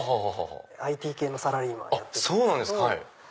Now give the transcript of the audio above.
ＩＴ系のサラリーマンやってたんですけど。